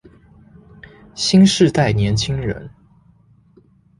新世代年輕人